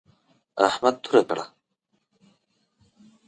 احمد توره کړه.